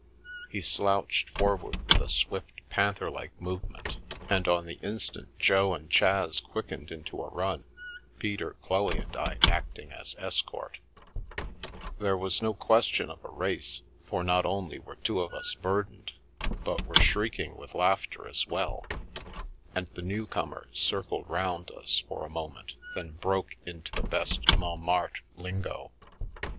He slouched forward with a swift, panther like movement, The Milky Way and on the instant Jo and Chas quickened into a run, Pe ter, Chloe, and I acting as escort There was no question of a race, for not only were two of us burdened, but were shrieking with laughter as well ; and the newcomer circled round us for a moment, then broke into the best Montmartre lingo.